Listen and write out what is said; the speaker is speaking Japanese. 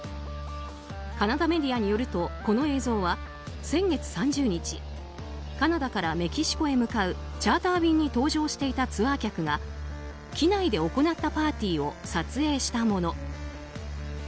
カナダメディアによるとこの映像は先月３０日、カナダからメキシコへ向かうチャーター便に搭乗していたツアー客が機内で行ったパーティーを撮影したもの。